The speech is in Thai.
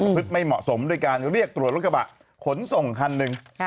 พฤติไม่เหมาะสมด้วยการเรียกตรวจรถกระบะขนส่งคันหนึ่ง